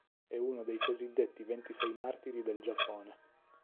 È uno dei cosiddetti Ventisei martiri del Giappone.